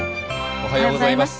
おはようございます。